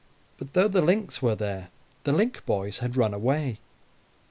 But though the links were there, the link boys had run away.